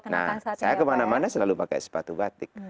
nah saya kemana mana selalu pakai sepatu batik